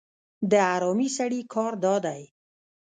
د حرامي سړي کار دا دی.